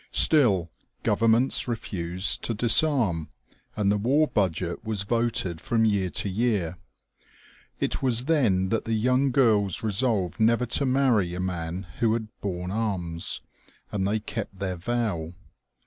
Still, governments refused to disarm, and the war budget was voted from year to year. It was then that the young girls resolved never to marry a man who had borne arms ; and they kept their vow.